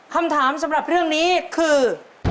คำถามสำหรับเรื่องนี้คือ